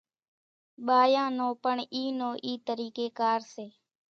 ٻايان نو پڻ اِي نو اِي طريقي ڪار سي